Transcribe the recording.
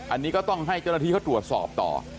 อันนี้ก็ต้องให้เจ้าหน้าที่เขาตรวจสอบต่อ